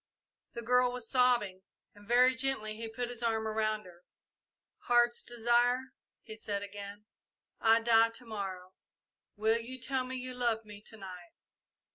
The girl was sobbing, and very gently he put his arm around her. "Heart's Desire," he said again, "I die to morrow will you tell me you love me to night?"